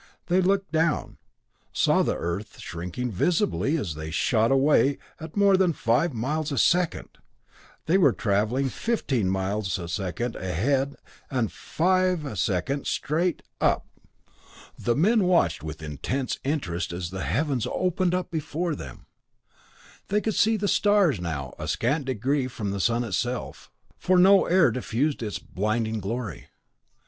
They looked down saw the Earth shrinking visibly as they shot away at more than five miles a second; they were traveling fifteen miles a second ahead and five a second straight up. The men watched with intensest interest as the heavens opened up before them they could see stars now a scant degree from the sun itself, for no air diffused its blinding glory.